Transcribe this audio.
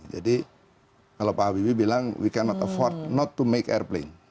jadi kalau pak habibie bilang we cannot afford not to make airplane